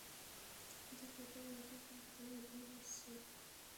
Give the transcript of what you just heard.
জাতীয়তাবিরোধী সংগঠনের উদয় হচ্ছে।